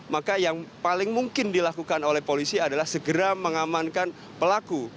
maka yang paling mungkin dilakukan oleh polisi adalah segera mengamankan pelaku